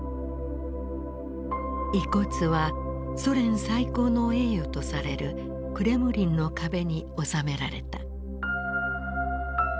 遺骨はソ連最高の栄誉とされるクレムリンの壁に納められた。